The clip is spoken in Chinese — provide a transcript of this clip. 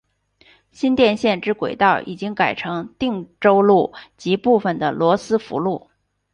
新店线之轨道已经改成汀州路及部分的罗斯福路。